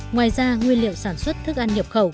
ngoài ra nguyên liệu sản xuất thức ăn nhập khẩu